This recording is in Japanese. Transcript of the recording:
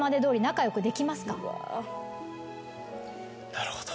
なるほど。